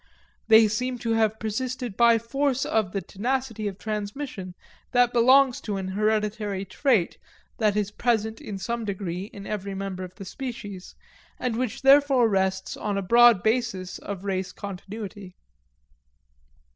They seem to have persisted by force of the tenacity of transmission that belongs to an hereditary trait that is present in some degree in every member of the species, and which therefore rests on a broad basis of race continuity.